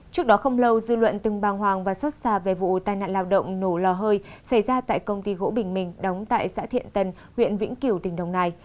trước đó không lâu dư luận từng bàng hoàng và xót xa về vụ tai nạn lao động nổ lò hơi xảy ra tại công ty gỗ bình minh đóng tại xã thiện tân huyện vĩnh kiểu tỉnh đồng nai